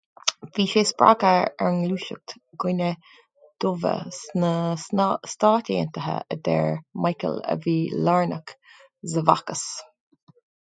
Bhí siad spreagtha ag an ngluaiseacht dhaoine dubha sna Stáit Aontaithe, a deir Michael a bhí lárnach sa bhfeachtas.